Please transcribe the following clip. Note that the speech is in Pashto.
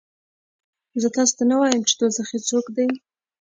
زه تاسې ته ونه وایم چې دوزخي څوک دي؟